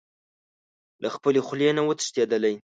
له خپلې خولې نه و تښتېدلی.